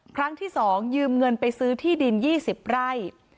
ครั้งที่๒ยืมเงินไปซื้อที่ดิน๒๐ไร่